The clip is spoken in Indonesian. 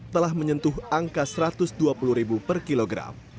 telah menyentuh angka rp satu ratus dua puluh per kilogram